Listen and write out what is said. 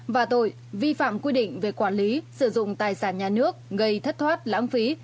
và tội vi phạm quy định về quản lý sử dụng tài sản nhà nước gây thất thoát lãng phí